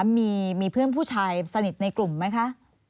มีเพื่อนผู้ชายสนิทในกลุ่มไหมคะ